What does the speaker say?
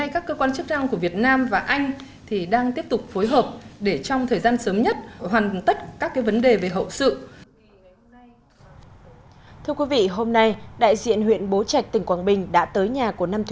các nạn nhân từ anh về việt nam